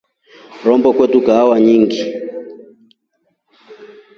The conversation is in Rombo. Rombo kwete kahawa nyingʼingi.